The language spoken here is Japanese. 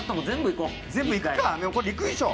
全部いくかこれもういくでしょ